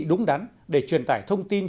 đúng đắn để truyền tải thông tin